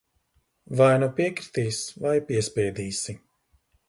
Vai nu piekritīs, vai piespiedīsi.